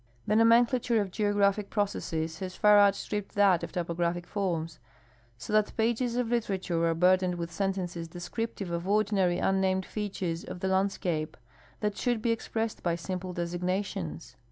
The nomenclature of geographic processes has far outstripped that of topographic forms, so that pages of literature are burdened with sentences descriptive of ordinary unnamed features of the landscape that should be expressed by simple designations.